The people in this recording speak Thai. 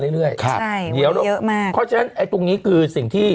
เรื่อยเรื่อยใช่เยอะมากเพราะฉะนั้นไอตรงนี้คือสิ่งที่